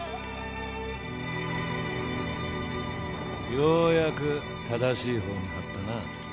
ようやく正しい方に張ったな。